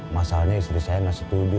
masalahnya istri saya nggak setuju